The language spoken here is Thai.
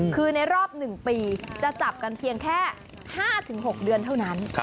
คือในรอบ๑ปีจะจับกันเพียงแค่๕๖เดือนเท่านั้น